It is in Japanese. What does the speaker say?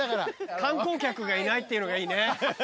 観光客がいないっていうのがいいね。